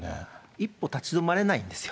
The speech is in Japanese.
一歩立ち止まれないんですよ。